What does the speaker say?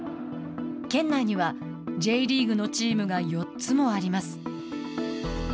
県内には、Ｊリーグのチームが４つもあります。